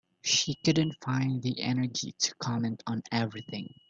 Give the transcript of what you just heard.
She couldn’t find the energy to comment on everything.